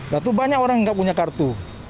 lalu banyak orang yang tidak punya kartu